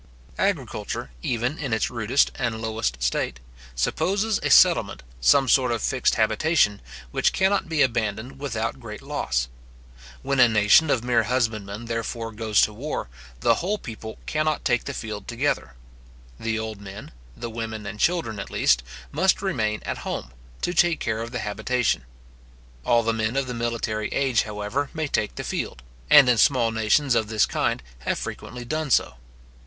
Agriculture, even in its rudest and lowest state, supposes a settlement, some sort of fixed habitation, which cannot be abandoned without great loss. When a nation of mere husbandmen, therefore, goes to war, the whole people cannot take the field together. The old men, the women and children, at least, must remain at home, to take care of the habitation. All the men of the military age, however, may take the field, and in small nations of this kind, have frequently done so.